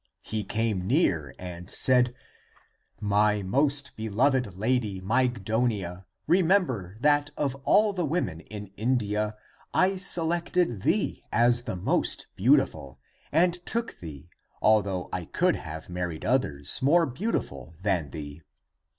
He came near and said, " My most beloved lady Mygdonia, remember that of all the women in In dia I selected thee as the most beautiful and took thee, although I could have married others, more beautiful than thee.